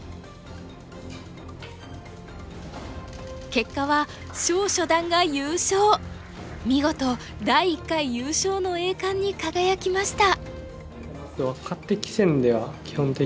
結果は見事第１回優勝の栄冠に輝きました。